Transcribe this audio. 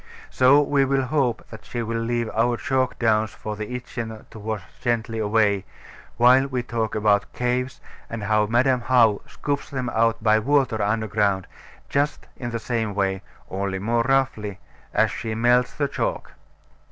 So we will hope that she will leave our chalk downs for the Itchen to wash gently away, while we talk about caves, and how Madam How scoops them out by water underground, just in the same way, only more roughly, as she melts the chalk.